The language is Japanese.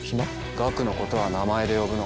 岳のことは名前で呼ぶの？